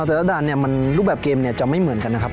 แต่ละด่านเนี่ยมันรูปแบบเกมจะไม่เหมือนกันนะครับ